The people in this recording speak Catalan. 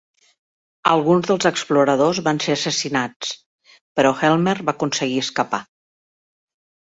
Alguns dels exploradors van ser assassinats, però Helmer va aconseguir escapar.